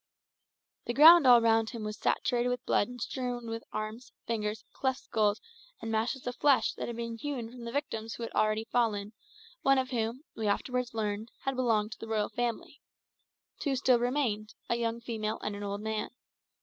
The ground all round him was saturated with blood and strewn with arms, fingers, cleft skulls, and masses of flesh that had been hewn from the victims who had already fallen, one of whom, we afterwards learned, had belonged to the royal family. Two still remained a young female and an old man.